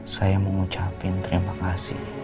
saya mengucapin terima kasih